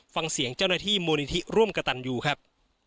ฟังเสียงเจ้าหน้าที่มูลนิธิร่วมกระตันยูครับ